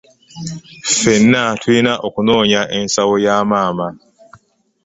Ffennatulina okunonya ensawo ya maama.